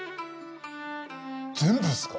全部ですか？